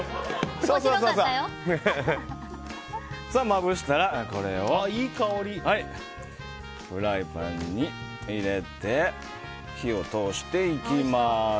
まぶしたら、これをフライパンに入れて火を通していきます。